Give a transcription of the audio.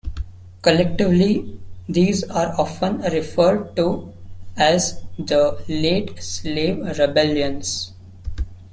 Collectively these are often referred to as the "late slave rebellions".